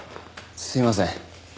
すいません。